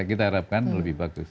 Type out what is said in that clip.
kita harapkan lebih bagus